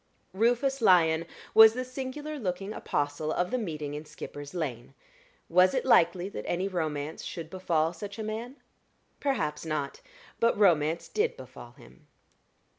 Rufus Lyon was the singular looking apostle of the Meeting in Skipper's Lane. Was it likely that any romance should befall such a man? Perhaps not; but romance did befall him.